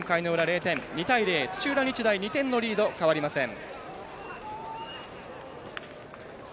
土浦日大、２点のリード変わりません。